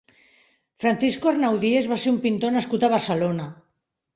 Francisco Arnaudies va ser un pintor nascut a Barcelona.